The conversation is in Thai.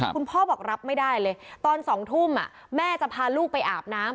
พ่อบอกรับไม่ได้เลยตอน๒ทุ่มแม่จะพาลูกไปอาบน้ำ